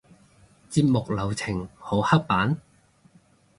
節目流程好刻板？